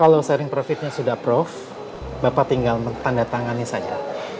kalau sharing profitnya sudah approve bapak tinggal menandatangani saja